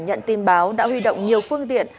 nhận tin báo đã huy động nhiều phương tiện